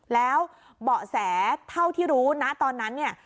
แล้วเบาะแสเท่าที่รู้นะตอนนั้นเนี่ย